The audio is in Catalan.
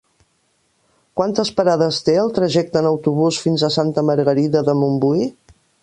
Quantes parades té el trajecte en autobús fins a Santa Margarida de Montbui?